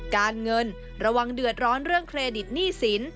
การเงินระวังเดือดร้อนเรื่องเครดิตหนี้สิน